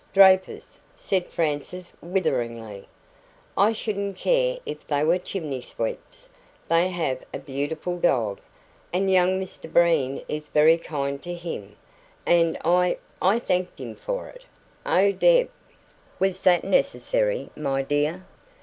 "DRAPERS," said Frances witheringly. "I shouldn't care if they were chimney sweeps. They have a beautiful dog, and young Mr Breen is very kind to him, and I I thanked him for it." "Oh, Deb!" "Was that necessary, my dear?"